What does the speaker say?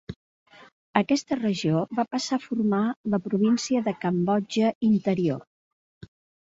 Aquesta regió va passar a formar la província de Cambodja Interior.